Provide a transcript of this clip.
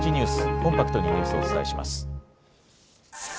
コンパクトにニュースをお伝えします。